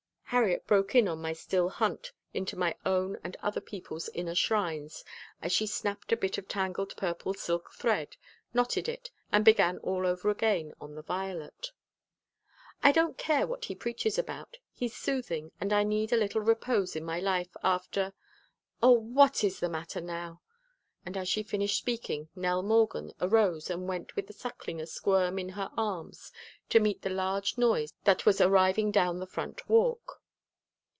Harriet broke in on my still hunt into my own and other people's inner shrines as she snapped a bit of tangled purple silk thread, knotted it and began all over again on the violet. "I don't care what he preaches about he's soothing and I need a little repose in my life after Oh, what is the matter now?" And as she finished speaking Nell Morgan arose and went with the Suckling asquirm in her arms to meet the large noise that was arriving down the front walk.